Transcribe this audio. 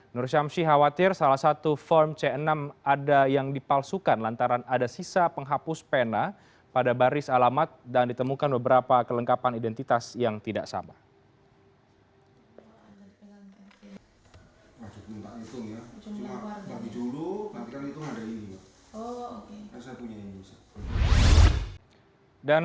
nur syamsi khawatir salah satu form c enam ada yang dipalsukan lantaran ada sisa penghapus pena pada baris alamat dan ditemukan beberapa kelengkapan identitas yang tidak sama